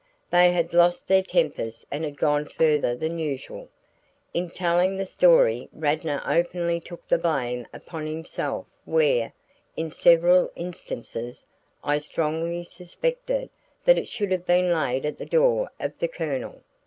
They had lost their tempers and had gone further than usual; in telling the story Radnor openly took the blame upon himself where, in several instances, I strongly suspected that it should have been laid at the door of the Colonel.